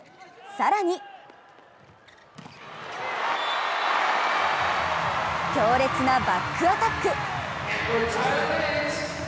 更に強烈なバックアタック！